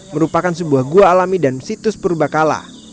merupakan sebuah gua alami dan situs purba kala